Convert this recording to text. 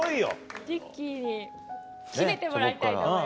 フジッキーに締めてもらいたいと思います。